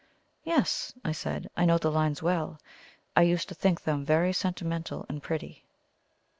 '" "Yes," I said. "I know the lines well. I used to think them very sentimental and pretty."